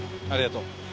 ありがとう。